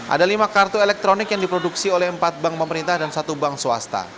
ada lima kartu elektronik yang diproduksi oleh empat bank pemerintah dan satu bank swasta